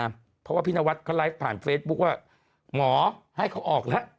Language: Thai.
เพราะว่าพี่นวัดเขาไลฟ์ผ่านเฟซบุ๊คว่าหมอให้เขาออกแล้ว